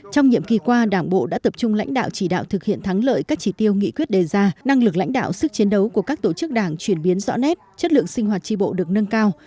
trong nhiệm kỳ qua đảng bộ đã tập trung lãnh đạo chỉ đạo thực hiện thắng lợi các chỉ tiêu nghị quyết đề ra năng lực lãnh đạo sức chiến đấu của các tổ chức đảng chuyển biến rõ nét chất lượng sinh hoạt tri bộ được nâng cao